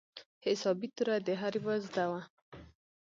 حسابي توره د هر يوه زده وه.